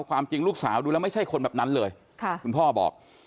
ความจริงลูกสาวดูแล้วไม่ใช่คนแบบนั้นเลยคุณพ่อบอก